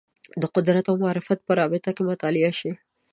د قدرت او معرفت په رابطه کې مطالعه شي